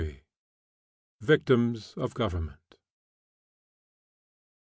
VICTIMS OF GOVERNMENT.